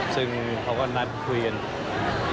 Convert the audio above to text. ซึ่งเขาก็นัดคุยกัน